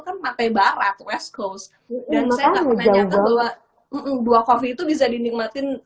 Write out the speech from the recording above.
kan matai barat west coast dan saya gak pernah nyatakan bahwa dua coffee itu bisa dinikmatin